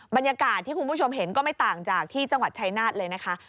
บรรยากาศที่คุณผู้ชมเห็นก็ไม่ต่างจากที่จังหวัดชายนาฏเลยนะคะ